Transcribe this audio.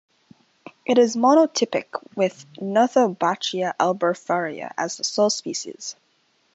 It is monotypic with "Nothobachia ablephara" as the sole species.